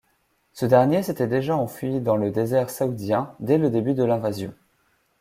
Ce dernier s'était déjà enfui dans le désert saoudien dès le début de l'invasion.